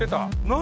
「何？